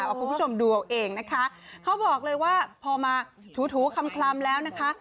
เอาคุณผู้ชมดูเอาเองนะคะเขาบอกเลยว่าพอมาถูถูคลำคลำแล้วนะคะ